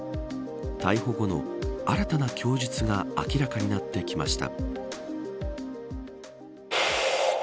逮捕後の新たな供述が明らかになってきました。